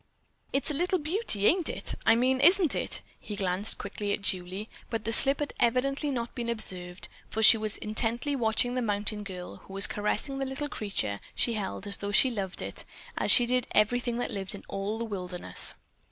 "It's a little beauty, ain't I mean, isn't it?" He glanced quickly at Julie, but the slip had evidently not been observed, for she was intently watching the mountain girl, who was caressing the little creature she held as though she loved it, as she did everything that lived in all the wilderness.